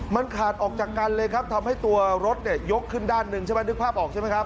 มันขาดออกจากกันเลยครับทำให้ตัวรถเนี่ยยกขึ้นด้านหนึ่งใช่ไหมนึกภาพออกใช่ไหมครับ